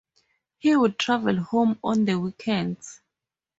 He would travel home on the weekends.